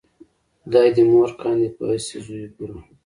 خدای دې مور کاندې په هسې زویو بوره